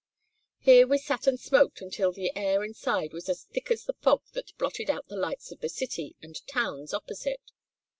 "Here we sat and smoked until the air inside was as thick as the fog that blotted out the lights of the city and towns opposite.